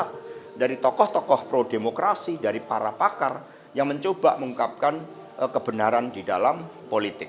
ada dari tokoh tokoh pro demokrasi dari para pakar yang mencoba mengungkapkan kebenaran di dalam politik